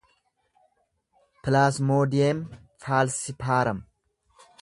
pilaasmoodiyem faalsipaaram